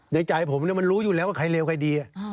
ในใจผมมันรู้อยู่แล้วว่าใครเลวใครดี